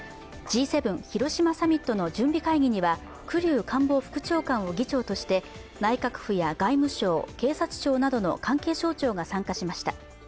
Ｇ７広島サミットの準備会議には栗生官房副長官を議長として内閣府や外務省、警察庁などの関係省庁が参加しました。